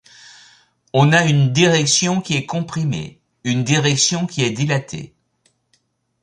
On a une direction qui est comprimée, une direction qui est dilatée.